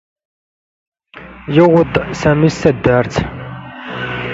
ⵢⵓⴹⴰ ⴷ ⵙⴰⵎⵉ ⵙ ⵜⴳⵎⵎⵉ.